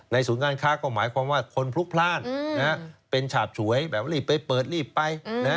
ศูนย์การค้าก็หมายความว่าคนพลุกพลาดเป็นฉาบฉวยแบบรีบไปเปิดรีบไป